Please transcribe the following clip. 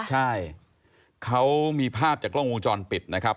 ใช่เขามีภาพจากกล้องวงจรปิดนะครับ